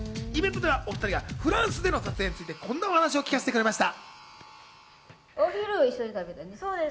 イベントでは２人がフランスでの撮影についてこんなお話を聞かせてくれました。